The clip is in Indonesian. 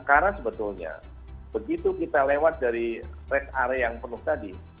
karena sebetulnya begitu kita lewat dari res area yang penuh tadi